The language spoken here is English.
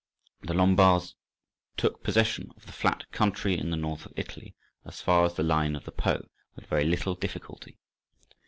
The Lombards took possession of the flat country in the north of Italy, as far as the line of the Po, with very little difficulty.